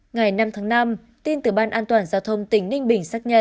ngày năm tháng năm tin từ ban an toàn giao thông tỉnh ninh bình xác nhận